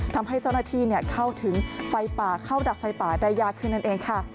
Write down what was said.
ทำให้เจ้าหน้าที่เข้าถึงไฟป่าเข้าดับไฟป่าได้ยากขึ้นนั่นเองค่ะ